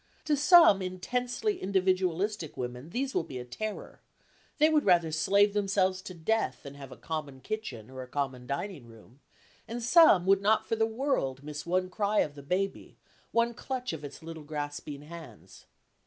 To some intensely individualistic women these will be a terror; they would rather slave themselves to death than have a common kitchen or a common dining room; and some would not for the world miss one cry of the baby, one clutch of its little grasping hands.